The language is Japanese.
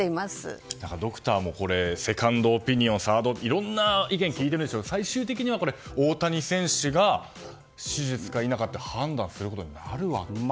ドクターもセカンドサードオピニオンといろんな意見を聞いて、最終的に大谷選手が手術か否かと判断することはあるわけですよね。